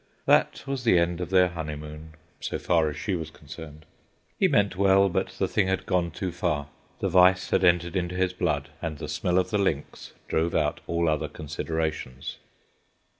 That was the end of their honeymoon so far as she was concerned. He meant well, but the thing had gone too far. The vice had entered into his blood, and the smell of the links drove out all other considerations.